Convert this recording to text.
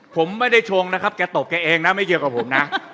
ผมไม่ได้ชงนะครับแกตบแกเองนะไม่เกี่ยวกับผมนะ